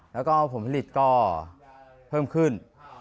แล้วก็ผลผลิตก็เพิ่มขึ้น